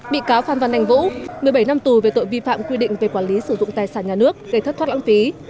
bị cáo phan văn anh vũ một mươi bảy năm tù về tội vi phạm quy định về quản lý sử dụng tài sản nhà nước gây thất thoát lãng phí